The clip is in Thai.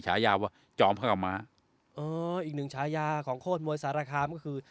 ฉายาว่าจอมพระอาม้าเอออีกหนึ่งฉายาของโคตรมวยสารคามก็คือ